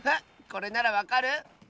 これならわかる？